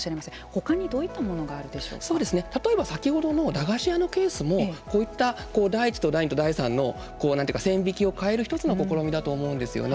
他にどういったものが例えば先ほどの駄菓子屋のケースもこういった第１と第２と第３の線引きを変える１つの試みだと思うんですよね。